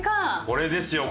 これですよ。